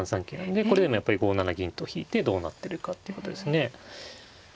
でこれでもやっぱり５七銀と引いてどうなってるかっていうことですね。